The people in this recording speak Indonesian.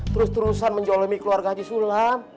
terus terusan menjolomi keluarga haji sulam